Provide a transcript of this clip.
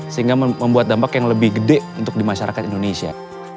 sehingga membuat dampak yang lebih gede untuk di masyarakat indonesia